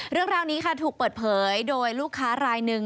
เรื่องราวนี้ค่ะถูกเปิดเผยโดยลูกค้ารายหนึ่ง